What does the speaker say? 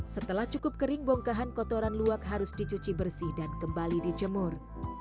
setelah cukup kering bongkahan kotoran luak harus dicuci bersih dan kembali dijemur